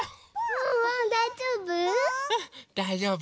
ワンワンだいじょうぶ？